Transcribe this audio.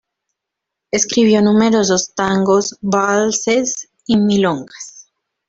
Escribió numerosos tangos, valses y milongas.